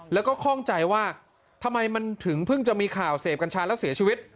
แล้วก็ข้องใจว่าทำไมมันถึงเพิ่งจะมีข่าวเสพกัญชาแล้วเสียชีวิต